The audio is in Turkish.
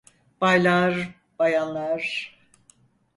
Baylar, bayanlar.